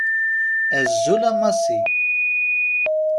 Azul a Massi.